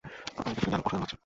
আমার কাছে একে অসাধারণ লাগছে।